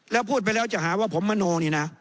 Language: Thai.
แล้วพูดไปแล้วจะหาว่าผมมโนนี่นะ